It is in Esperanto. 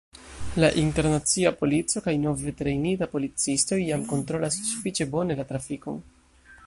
La internacia polico kaj nove trejnitaj policistoj jam kontrolas sufiĉe bone la trafikon.